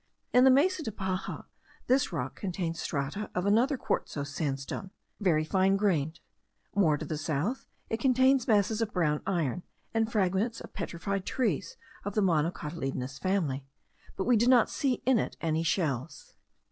In the Mesa de Paja this rock contains strata of another quartzose sandstone, very fine grained; more to the south it contains masses of brown iron, and fragments of petrified trees of the monocotyledonous family, but we did not see in it any shells.